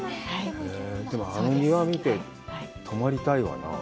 でも、あれを見て、泊まりたいわな。